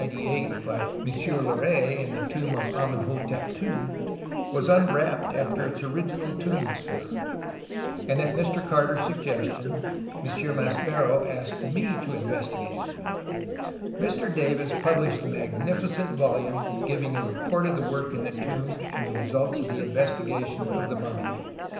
been found in 1898 by M. I^oret in the tomb of Amenhotep II, was unwrapped after its 28 TUTANKHAMEN original tomb was found ; and at Mr Carter's suggestion, M. Maspero asked me to investigate it. Mr Davis published a magnificent volume giving a report of the work in the tomb and the results of the investigation of the mummy.